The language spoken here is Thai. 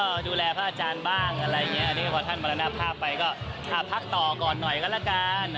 ช่วงก่อนก็ดูแลผ้าอาจารย์บ้างพอท่านบรรณภาพไปก็พักต่อก่อนหน่อยละกัน